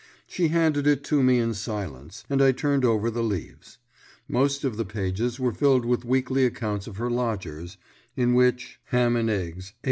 She handed it to me in silence, and I turned over the leaves. Most of the pages were filled with weekly accounts of her lodgers, in which "ham and eggs, 8_d_.